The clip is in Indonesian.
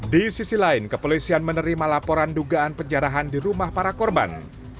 di sisi lain kepolisian menerima laporan dugaan penjarahan di rumah para korban